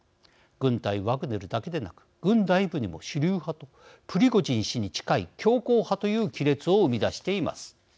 軍対ワグネルだけでなく軍内部にも主流派とプリゴジン氏に近い強硬派という亀裂を生み出しています。